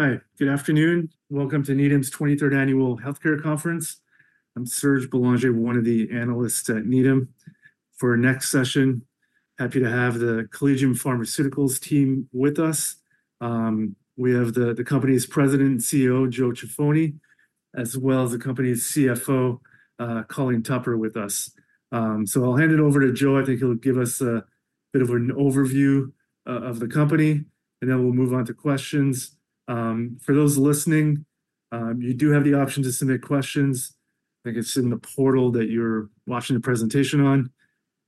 Hi, good afternoon. Welcome to Needham's 23rd annual healthcare conference. I'm Serge Belanger, one of the analysts at Needham for next session. Happy to have the Collegium Pharmaceutical team with us. We have the company's President and CEO, Joe Ciaffoni, as well as the company's CFO, Colleen Tupper with us. I'll hand it over to Joe. I think he'll give us a bit of an overview of the company, and then we'll move on to questions. For those listening, you do have the option to submit questions. I think it's in the portal that you're watching the presentation on.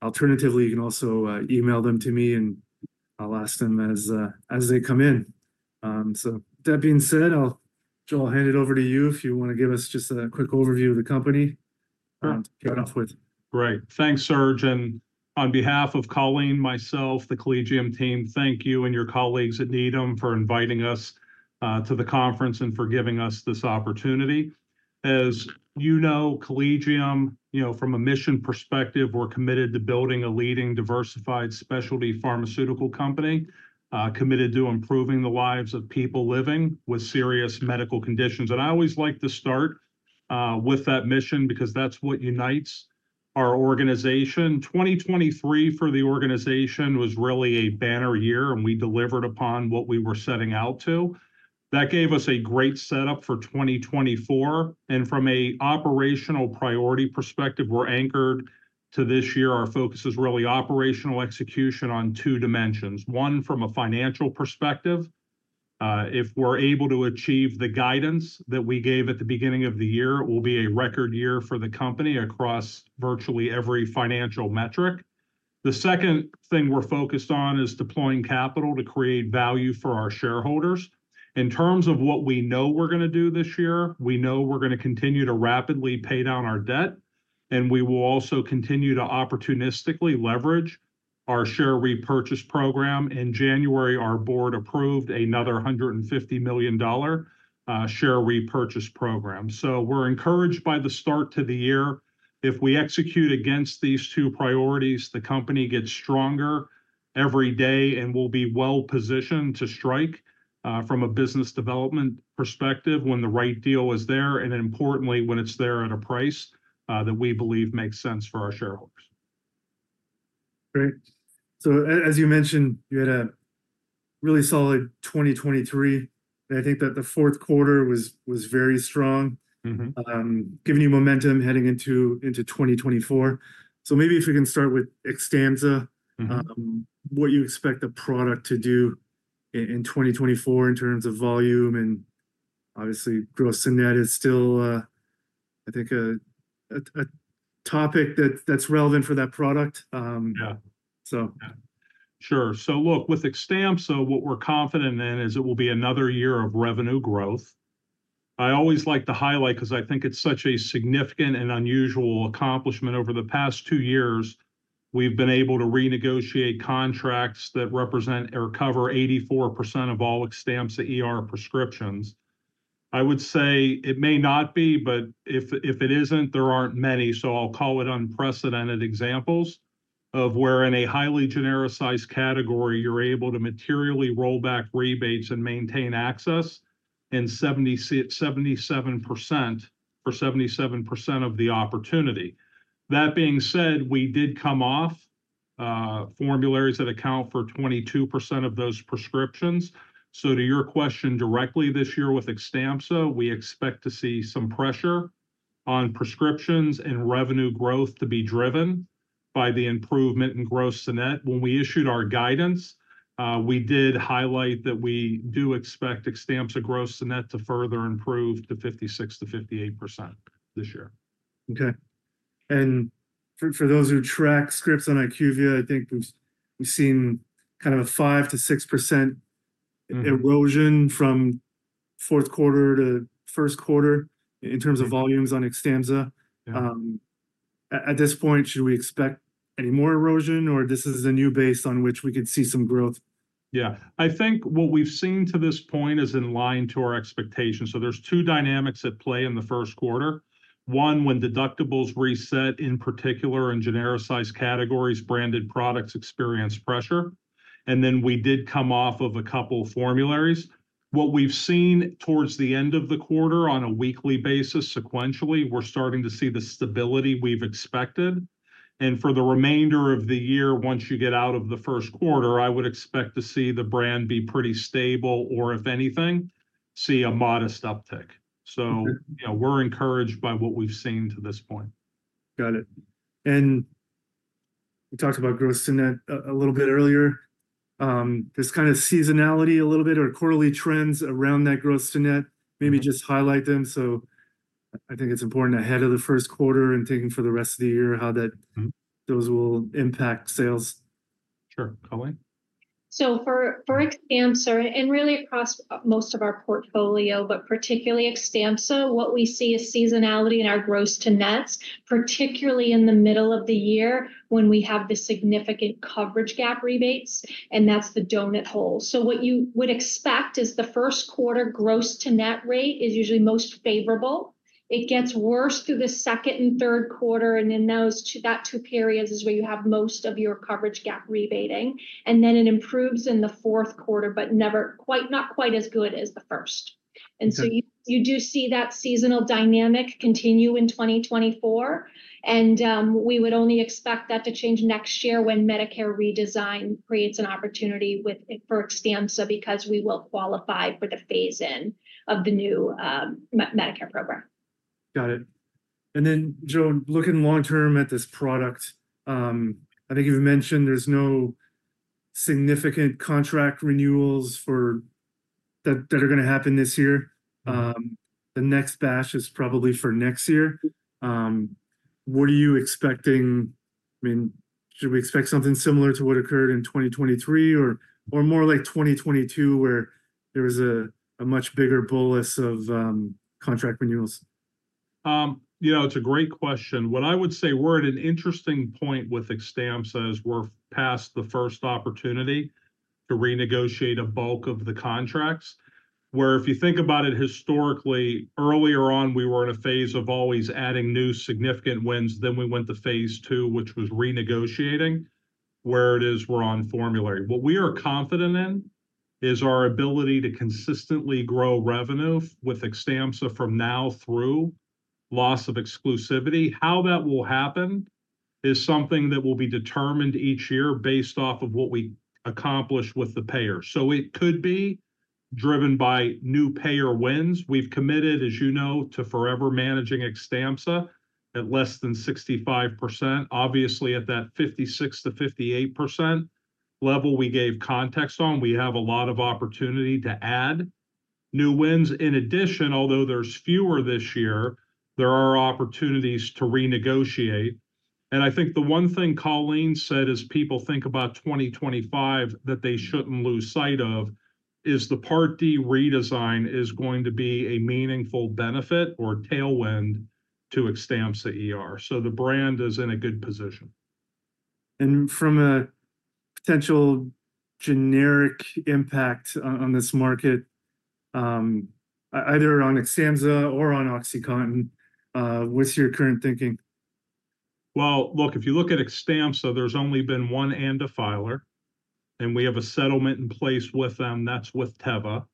Alternatively, you can also email them to me, and I'll ask them as they come in. That being said, I'll hand it over to you if you want to give us just a quick overview of the company. All right. To start off with. Great. Thanks, Serge. And on behalf of Colleen, myself, the Collegium team, thank you and your colleagues at Needham for inviting us to the conference and for giving us this opportunity. As you know, Collegium, you know, from a mission perspective, we're committed to building a leading, diversified, specialty pharmaceutical company, committed to improving the lives of people living with serious medical conditions. I always like to start with that mission, because that's what unites our organization. 2023 for the organization was really a banner year, and we delivered upon what we were setting out to. That gave us a great setup for 2024. From an operational priority perspective, we're anchored to this year. Our focus is really operational execution on two dimensions, one from a financial perspective. If we're able to achieve the guidance that we gave at the beginning of the year, it will be a record year for the company across virtually every financial metric. The second thing we're focused on is deploying capital to create value for our shareholders in terms of what we know we're going to do this year. We know we're going to continue to rapidly pay down our debt, and we will also continue to opportunistically leverage our share repurchase program. In January, our board approved another $150 million share repurchase program. So we're encouraged by the start to the year. If we execute against these two priorities, the company gets stronger every day, and we'll be well positioned to strike, from a business development perspective when the right deal is there, and importantly, when it's there at a price, that we believe makes sense for our shareholders. Great. So as you mentioned, you had a really solid 2023, and I think that the fourth quarter was very strong. Mm-hmm. giving you momentum heading into 2024. So maybe if we can start with Xtampza, what you expect the product to do in 2024 in terms of volume and obviously growth. Gross-to-net is still, I think, a topic that's relevant for that product. Yeah. So. Yeah. Sure. So look, with Xtampza, what we're confident in is it will be another year of revenue growth. I always like to highlight, because I think it's such a significant and unusual accomplishment. Over the past two years, we've been able to renegotiate contracts that represent or cover 84% of all Xtampza prescriptions. I would say it may not be, but if it isn't, there aren't many. So I'll call it unprecedented examples of where, in a highly genericized category, you're able to materially roll back rebates and maintain access in 70%-77% for 77% of the opportunity. That being said, we did come off formularies that account for 22% of those prescriptions. So to your question directly this year with Xtampza, we expect to see some pressure on prescriptions and revenue growth to be driven by the improvement in gross-to-net. Gross-to-net, when we issued our guidance, we did highlight that we do expect Xtampza gross-to-net to further improve to 56%-58% this year. Okay. For those who track scripts on IQVIA, I think we've seen kind of a 5%-6% erosion from fourth quarter to first quarter in terms of volumes on Xtampza. Yeah. At this point, should we expect any more erosion, or this is the new base on which we could see some growth? Yeah. I think what we've seen to this point is in line to our expectations. So there's two dynamics at play in the first quarter. One, when deductibles reset, in particular in genericized categories, branded products experience pressure. And then we did come off of a couple formularies. What we've seen towards the end of the quarter on a weekly basis, sequentially, we're starting to see the stability we've expected. And for the remainder of the year, once you get out of the first quarter, I would expect to see the brand be pretty stable, or, if anything, see a modest uptick. So, you know, we're encouraged by what we've seen to this point. Got it. And we talked about gross-to-net a little bit earlier. This kind of seasonality a little bit, or quarterly trends around that gross-to-net, maybe just highlight them. So I think it's important ahead of the first quarter and thinking for the rest of the year how that those will impact sales. Sure. Colleen. So for Xtampza, and really across most of our portfolio, but particularly Xtampza, what we see is seasonality in our gross-to-net, particularly in the middle of the year when we have the significant coverage gap rebates, and that's the donut hole. So what you would expect is the first quarter gross-to-net rate is usually most favorable. It gets worse through the second and third quarter, and in those two periods is where you have most of your coverage gap rebating, and then it improves in the fourth quarter, but never quite as good as the first. And so you do see that seasonal dynamic continue in 2024. And we would only expect that to change next year when Medicare redesign creates an opportunity for Xtampza, because we will qualify for the phase-in of the new Medicare program. Got it. And then, Joe, looking long term at this product, I think you've mentioned there's no significant contract renewals for that that are going to happen this year. The next batch is probably for next year. What are you expecting? I mean, should we expect something similar to what occurred in 2023, or more like 2022, where there was a much bigger bolus of contract renewals? You know, it's a great question. What I would say we're at an interesting point with Xtampza as we're past the first opportunity to renegotiate a bulk of the contracts, where, if you think about it historically, earlier on, we were in a phase of always adding new significant wins. Then we went to phase 2, which was renegotiating, where it is we're on formulary. What we are confident in is our ability to consistently grow revenue with Xtampza from now through loss of exclusivity. How that will happen is something that will be determined each year based off of what we accomplish with the payer. So it could be driven by new payer wins. We've committed, as you know, to forever managing Xtampza at less than 65%. Obviously, at that 56%-58% level, we gave context on. We have a lot of opportunity to add new wins. In addition, although there's fewer this year, there are opportunities to renegotiate. I think the one thing Colleen said, as people think about 2025 that they shouldn't lose sight of, is the Part D redesign is going to be a meaningful benefit or tailwind to Xtampza. So the brand is in a good position. From a potential generic impact on this market, either on Xtampza or on OxyContin, what's your current thinking? Well, look, if you look at Xtampza, there's only been one ANDA filer, and we have a settlement in place with them. That's with Teva.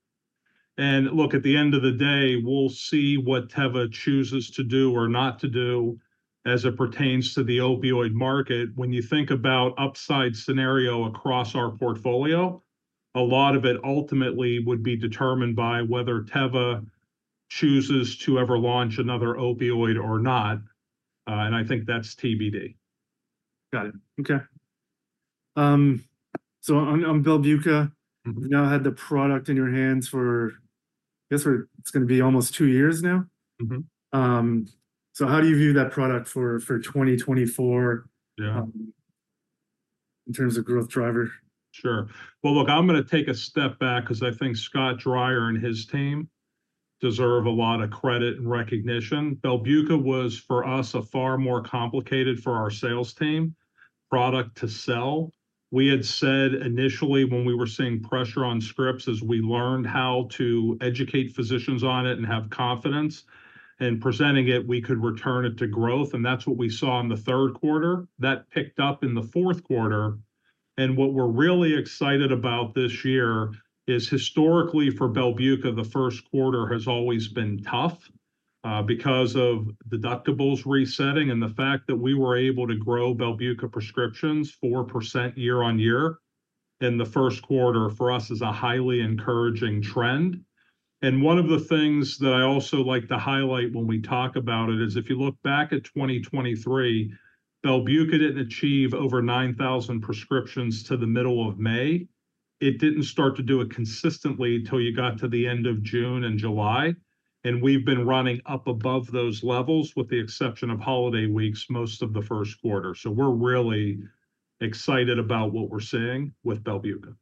And look, at the end of the day, we'll see what Teva chooses to do or not to do as it pertains to the opioid market. When you think about upside scenario across our portfolio, a lot of it ultimately would be determined by whether Teva chooses to ever launch another opioid or not. And I think that's TBD. Got it. Okay. So on Belbuca, you've now had the product in your hands for, I guess, it's going to be almost two years now. Mm-hmm. How do you view that product for 2024? Yeah. In terms of growth driver? Sure. Well, look, I'm going to take a step back, because I think Scott Dreyer and his team deserve a lot of credit and recognition. Belbuca was, for us, a far more complicated for our sales team product to sell. We had said initially, when we were seeing pressure on scripts, as we learned how to educate physicians on it and have confidence in presenting it, we could return it to growth. And that's what we saw in the third quarter. That picked up in the fourth quarter. And what we're really excited about this year is, historically, for Belbuca, the first quarter has always been tough, because of deductibles resetting and the fact that we were able to grow Belbuca prescriptions 4% year-over-year in the first quarter for us is a highly encouraging trend. One of the things that I also like to highlight when we talk about it is, if you look back at 2023, Belbuca didn't achieve over 9,000 prescriptions to the middle of May. It didn't start to do it consistently till you got to the end of June and July. We've been running up above those levels, with the exception of holiday weeks, most of the first quarter. We're really excited about what we're seeing with Belbuca.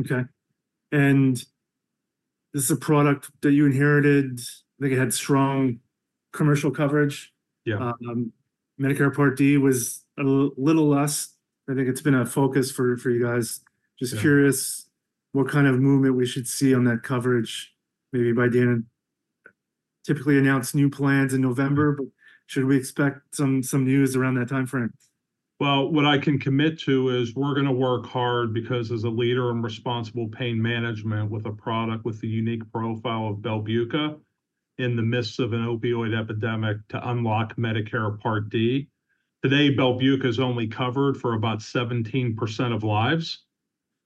Okay. And this is a product that you inherited. I think it had strong commercial coverage. Yeah. Medicare Part D was a little less. I think it's been a focus for you guys. Just curious what kind of movement we should see on that coverage. Maybe by then typically announces new plans in November, but should we expect some news around that time frame? Well, what I can commit to is we're going to work hard, because, as a leader in responsible pain management with a product with the unique profile of Belbuca in the midst of an opioid epidemic, to unlock Medicare Part D. Today, Belbuca is only covered for about 17% of lives.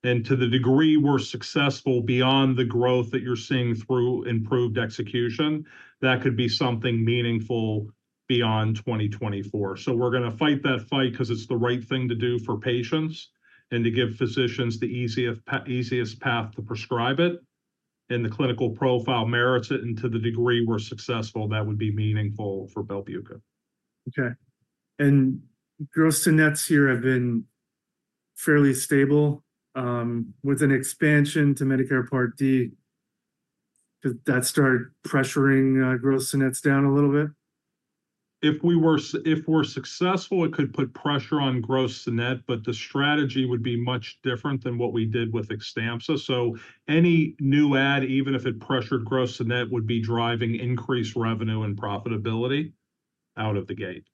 And to the degree we're successful beyond the growth that you're seeing through improved execution, that could be something meaningful beyond 2024. So we're going to fight that fight, because it's the right thing to do for patients and to give physicians the easiest path to prescribe it. And the clinical profile merits it. And to the degree we're successful, that would be meaningful for Belbuca. Okay. And gross-to-nets here have been fairly stable. With an expansion to Medicare Part D, did that start pressuring gross-to-nets down a little bit? If we're successful, it could put pressure on gross-to-net, but the strategy would be much different than what we did with Xtampza. So any new ANDA, even if it pressured gross-to-net, would be driving increased revenue and profitability out of the gate.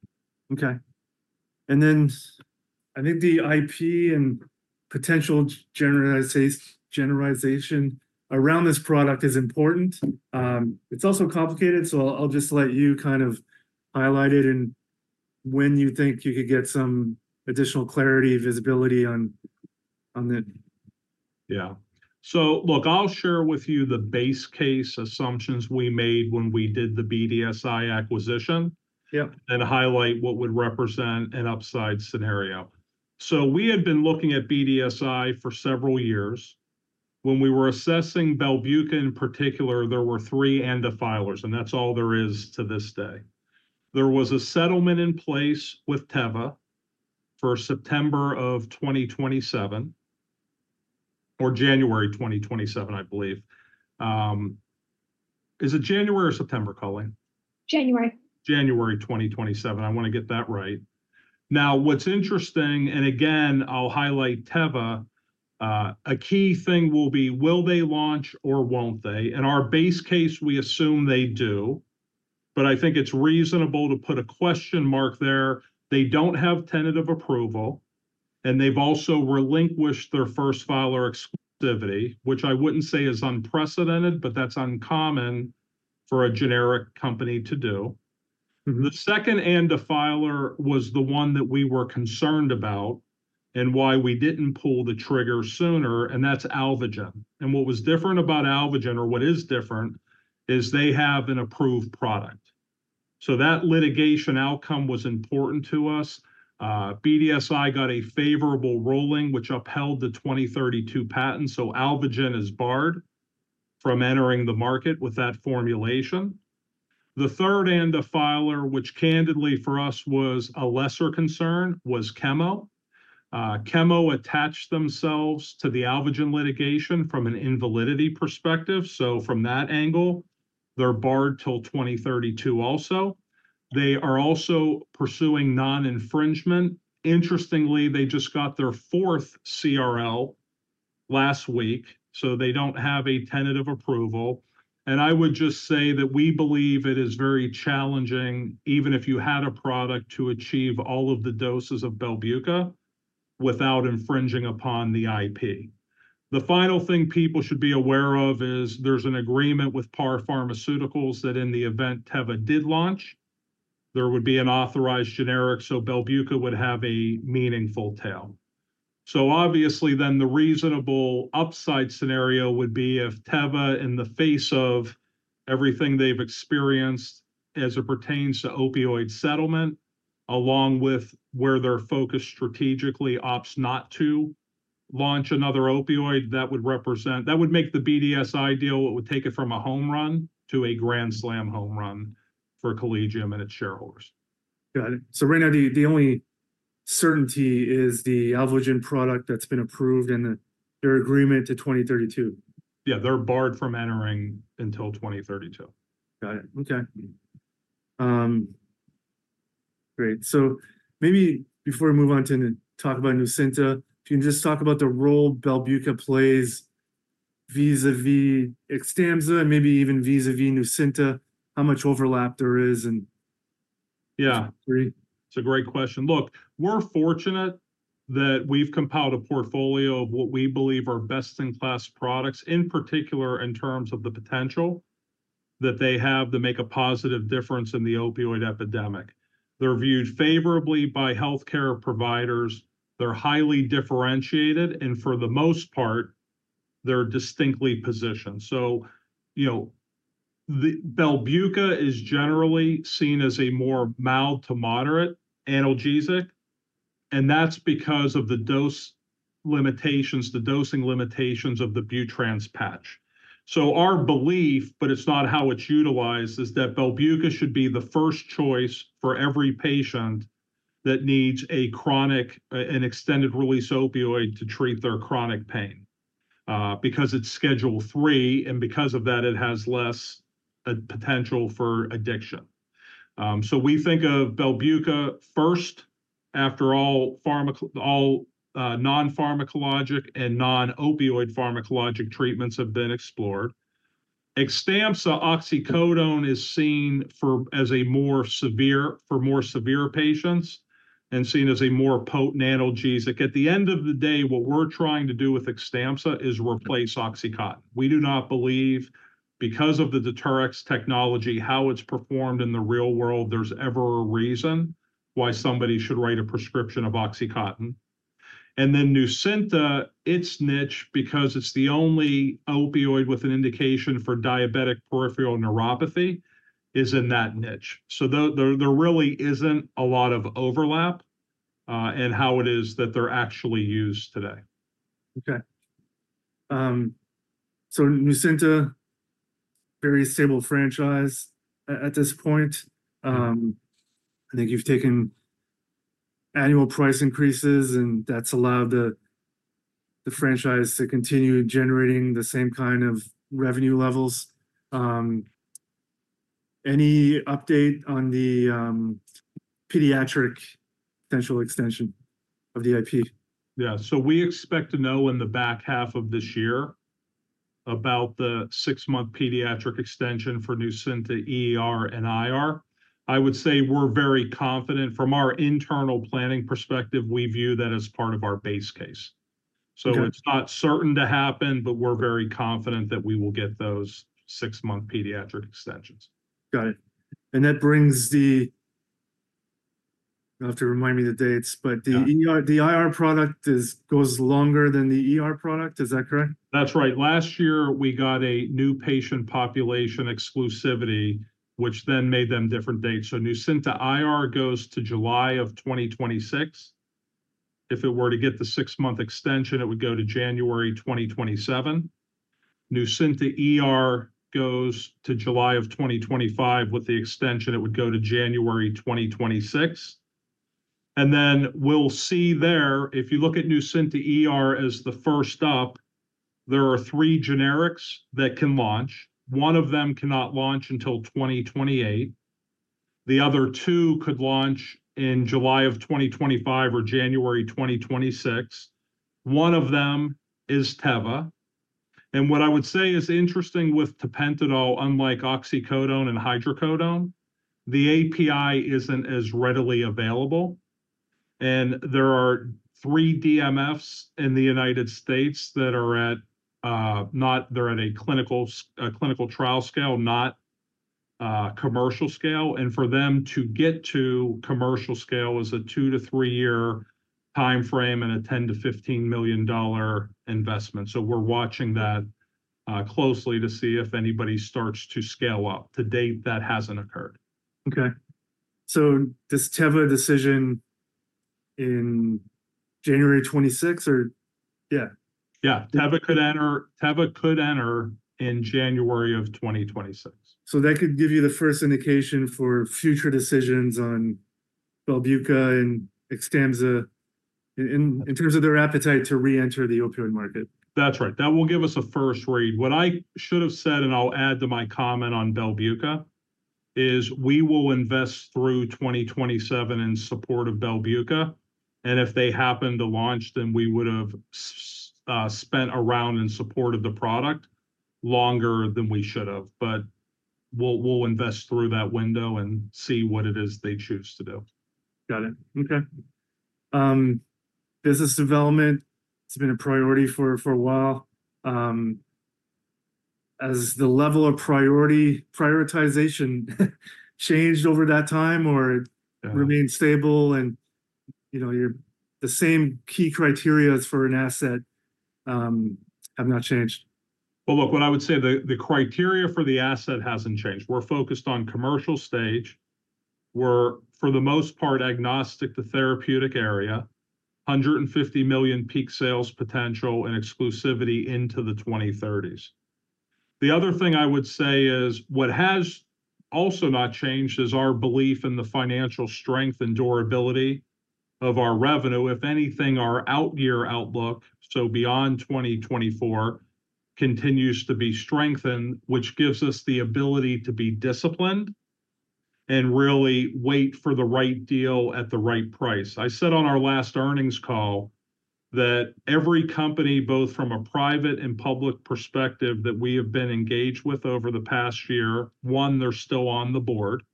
Okay. And then I think the IP and potential litigation around this product is important. It's also complicated, so I'll just let you kind of highlight it and when you think you could get some additional clarity, visibility on it. Yeah. So look, I'll share with you the base case assumptions we made when we did the BDSI acquisition. Yeah. Highlight what would represent an upside scenario. We had been looking at BDSI for several years. When we were assessing Belbuca in particular, there were three ANDA filers, and that's all there is to this day. There was a settlement in place with Teva for September of 2027 or January 2027, I believe. Is it January or September, Colleen? January. January 2027. I want to get that right. Now, what's interesting, and again, I'll highlight Teva, a key thing will be, will they launch or won't they? In our base case, we assume they do, but I think it's reasonable to put a question mark there. They don't have tentative approval, and they've also relinquished their first file exclusivity, which I wouldn't say is unprecedented, but that's uncommon for a generic company to do. The second ANDA filer was the one that we were concerned about and why we didn't pull the trigger sooner, and that's Alvogen. And what was different about Alvogen, or what is different, is they have an approved product. So that litigation outcome was important to us. BDSI got a favorable ruling, which upheld the 2032 patent. So Alvogen is barred from entering the market with that formulation. The third ANDA filer, which candidly, for us, was a lesser concern, was Chemo. Chemo attached themselves to the Alvogen litigation from an invalidity perspective. So from that angle, they're barred till 2032 also. They are also pursuing non-infringement. Interestingly, they just got their fourth CRL last week, so they don't have a tentative approval. And I would just say that we believe it is very challenging, even if you had a product, to achieve all of the doses of Belbuca without infringing upon the IP. The final thing people should be aware of is there's an agreement with Par Pharmaceutical that in the event Teva did launch, there would be an authorized generic, so Belbuca would have a meaningful tail. So obviously, then the reasonable upside scenario would be if Teva, in the face of everything they've experienced as it pertains to opioid settlement, along with where they're focused strategically, opts not to launch another opioid, that would represent that would make the BDSI deal. It would take it from a home run to a Grand Slam home run for Collegium and its shareholders. Got it. So right now, the only certainty is the Alvogen product that's been approved and their agreement to 2032. Yeah. They're barred from entering until 2032. Got it. Okay. Great. So maybe before we move on to talk about Nucynta, if you can just talk about the role Belbuca plays vis-à-vis Xtampza, and maybe even vis-à-vis Nucynta, how much overlap there is and. Yeah. Agree. It's a great question. Look, we're fortunate that we've compiled a portfolio of what we believe are best-in-class products, in particular in terms of the potential that they have to make a positive difference in the opioid epidemic. They're viewed favorably by healthcare providers. They're highly differentiated, and for the most part, they're distinctly positioned. So, you know, Belbuca is generally seen as a more mild to moderate analgesic, and that's because of the dose limitations, the dosing limitations of the Butrans patch. So our belief, but it's not how it's utilized, is that Belbuca should be the first choice for every patient that needs a chronic, an extended-release opioid to treat their chronic pain, because it's Schedule III, and because of that, it has less potential for addiction. So we think of Belbuca first. After all, non-pharmacologic and non-opioid pharmacologic treatments have been explored. Xtampza ER, oxycodone, is seen as for more severe patients and seen as a more potent analgesic. At the end of the day, what we're trying to do with Xtampza ER is replace OxyContin. We do not believe, because of the deterrence technology, how it's performed in the real world, there's ever a reason why somebody should write a prescription of OxyContin. And then Nucynta, its niche, because it's the only opioid with an indication for diabetic peripheral neuropathy, is in that niche. So though there really isn't a lot of overlap, in how it is that they're actually used today. Okay. So Nucynta, very stable franchise at this point. I think you've taken annual price increases, and that's allowed the franchise to continue generating the same kind of revenue levels. Any update on the pediatric potential extension of the IP? Yeah. So we expect to know in the back half of this year about the six-month pediatric extension for Nucynta ER and IR. I would say we're very confident. From our internal planning perspective, we view that as part of our base case. So it's not certain to happen, but we're very confident that we will get those six-month pediatric extensions. Got it. And that brings the you'll have to remind me the dates, but the ER, the IR product goes longer than the product. Is that correct? That's right. Last year, we got a new patient population exclusivity, which then made them different dates. So Nucynta IR goes to July 2026. If it were to get the six-month extension, it would go to January 2027. Nucynta goes to July 2025. With the extension, it would go to January 2026. And then we'll see there, if you look at Nucynta as the first up, there are three generics that can launch. One of them cannot launch until 2028. The other two could launch in July 2025 or January 2026. One of them is Teva. And what I would say is interesting with tapentadol, unlike oxycodone and hydrocodone, the API isn't as readily available. And there are three DMFs in the United States that are at a clinical trial scale, not commercial scale. For them to get to commercial scale is a two- to three-year time frame and a $10 million-$15 million investment. We're watching that closely to see if anybody starts to scale up. To date, that hasn't occurred. Okay. So, does Teva decision in January 2026, or yeah? Yeah. Teva could enter Teva could enter in January of 2026. So that could give you the first indication for future decisions on Belbuca and Xtampza, in terms of their appetite to reenter the opioid market? That's right. That will give us a first read. What I should have said, and I'll add to my comment on Belbuca, is we will invest through 2027 in support of Belbuca. And if they happen to launch, then we would have spent around in support of the product longer than we should have. But we'll invest through that window and see what it is they choose to do. Got it. Okay, business development, it's been a priority for a while. Has the level of prioritization changed over that time, or it remains stable and, you know, are the same key criteria as for an asset, have not changed? Well, look, what I would say, the criteria for the asset hasn't changed. We're focused on commercial stage. We're, for the most part, agnostic to therapeutic area, $150 million peak sales potential and exclusivity into the 2030s. The other thing I would say is what has also not changed is our belief in the financial strength and durability of our revenue. If anything, our out-year outlook, so beyond 2024, continues to be strengthened, which gives us the ability to be disciplined and really wait for the right deal at the right price. I said on our last earnings call that every company, both from a private and public perspective, that we have been engaged with over the past year, one, they're still on the board.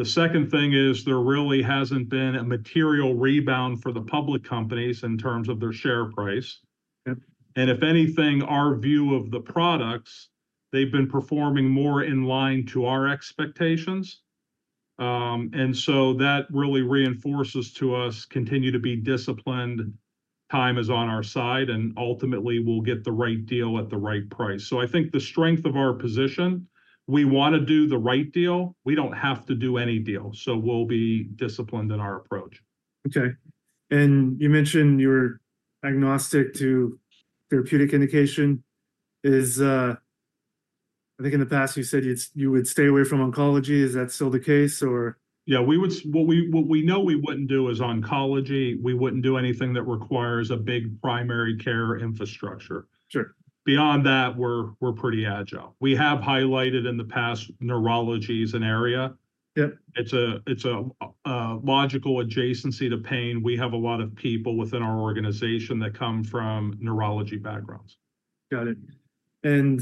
The second thing is there really hasn't been a material rebound for the public companies in terms of their share price. Okay. If anything, our view of the products, they've been performing more in line to our expectations. And so that really reinforces to us, continue to be disciplined, time is on our side, and ultimately, we'll get the right deal at the right price. So I think the strength of our position, we want to do the right deal. We don't have to do any deal. So we'll be disciplined in our approach. Okay. And you mentioned you were agnostic to therapeutic indication. Is, I think, in the past you said you'd stay away from oncology; is that still the case, or? Yeah. What we know we wouldn't do is oncology. We wouldn't do anything that requires a big primary care infrastructure. Sure. Beyond that, we're pretty agile. We have highlighted in the past neurology is an area. Yeah. It's a logical adjacency to pain. We have a lot of people within our organization that come from neurology backgrounds. Got it. And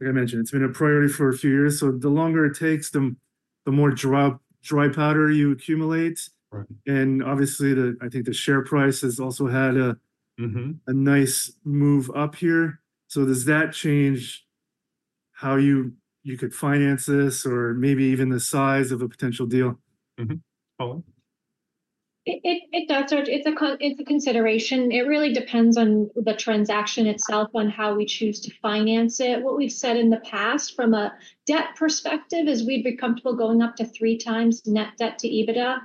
like I mentioned, it's been a priority for a few years. So the longer it takes, the more dry powder you accumulate. Right. Obviously, I think the share price has also had a. Uh-huh. A nice move up here. So does that change how you could finance this, or maybe even the size of a potential deal? Uh-huh. Colleen? It does, Serge. It's a consideration. It really depends on the transaction itself, on how we choose to finance it. What we've said in the past from a debt perspective is we'd be comfortable going up to 3x net debt to EBITDA.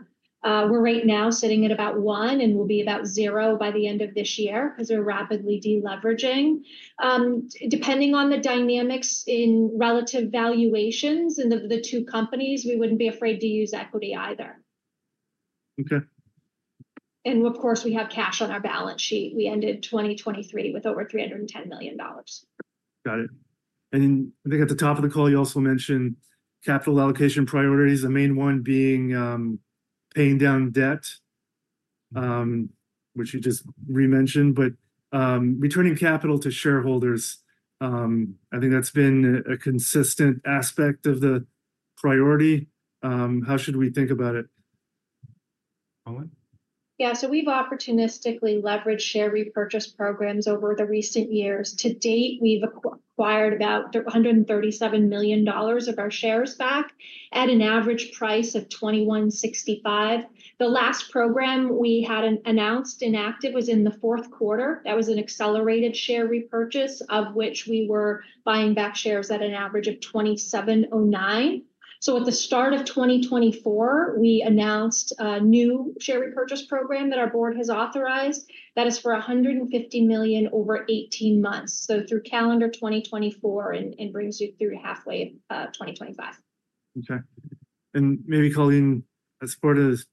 We're right now sitting at about one, and we'll be about zero by the end of this year because we're rapidly deleveraging. Depending on the dynamics in relative valuations in the two companies, we wouldn't be afraid to use equity either. Okay. Of course, we have cash on our balance sheet. We ended 2023 with over $310 million. Got it. And then I think at the top of the call, you also mentioned capital allocation priorities, the main one being paying down debt, which you just rementioned, but returning capital to shareholders. I think that's been a consistent aspect of the priority. How should we think about it? Colleen? Yeah. So we've opportunistically leveraged share repurchase programs over the recent years. To date, we've acquired about $137 million of our shares back at an average price of $21.65. The last program we had announced inactive was in the fourth quarter. That was an accelerated share repurchase of which we were buying back shares at an average of $27.09. So at the start of 2024, we announced a new share repurchase program that our board has authorized. That is for $150 million over 18 months. So through calendar 2024 and and brings you through halfway of 2025. Okay. Maybe, Colleen, as far as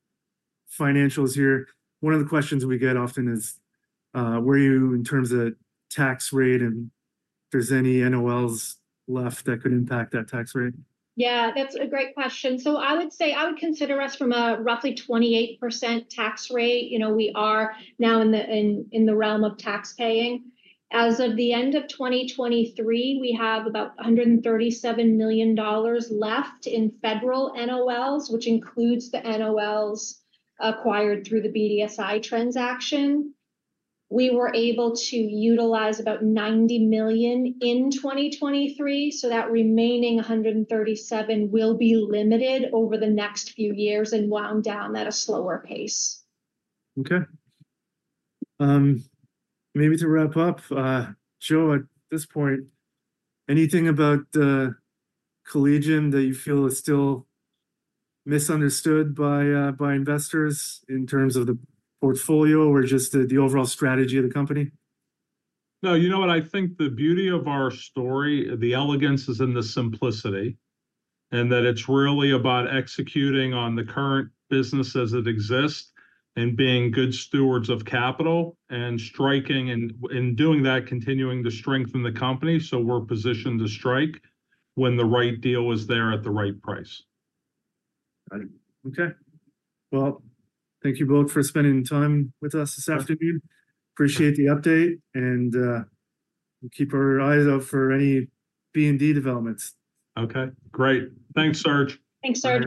financials here, one of the questions we get often is, where are you in terms of tax rate and if there's any NOLs left that could impact that tax rate? Yeah. That's a great question. So I would say I would consider us from a roughly 28% tax rate. You know, we are now in the realm of tax paying. As of the end of 2023, we have about $137 million left in federal NOLs, which includes the NOLs acquired through the BDSI transaction. We were able to utilize about $90 million in 2023. So that remaining $137 million will be limited over the next few years and wound down at a slower pace. Okay. Maybe to wrap up, Joe, at this point, anything about the Collegium that you feel is still misunderstood by investors in terms of the portfolio or just the overall strategy of the company? No. You know what? I think the beauty of our story, the elegance is in the simplicity and that it's really about executing on the current business as it exists and being good stewards of capital and striking and in doing that, continuing to strengthen the company. So we're positioned to strike when the right deal is there at the right price. Got it. Okay. Well, thank you both for spending time with us this afternoon. Appreciate the update, and we'll keep our eyes out for any BD developments. Okay. Great. Thanks, Serge. Thanks, Serge.